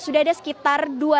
sudah ada sekitar dua pengunjung